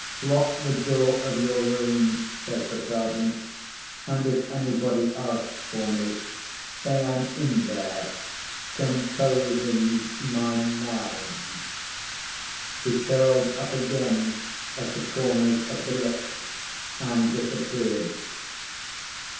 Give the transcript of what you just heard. "Lock the door of your room," says the Sergeant; "and if anybody asks for me, say I'm in there, composing my mind." He curled up again at the corners of the lips, and disappeared.